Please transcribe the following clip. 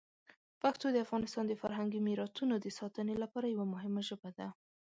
پښتو د افغانستان د فرهنګي میراتونو د ساتنې لپاره یوه مهمه ژبه ده.